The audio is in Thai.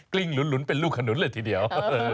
ลิ้งหลุนเป็นลูกขนุนเลยทีเดียว